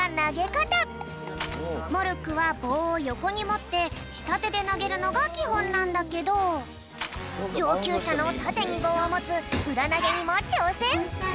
モルックはぼうをよこにもってしたてでなげるのがきほんなんだけどじょうきゅうしゃのたてにぼうをもつうらなげにもちょうせん！